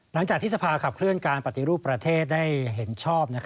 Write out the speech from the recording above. หลังจากที่สภาขับเคลื่อนการปฏิรูปประเทศได้เห็นชอบ